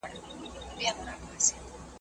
د لویې جرګي خیمه چېرته موقعیت لري؟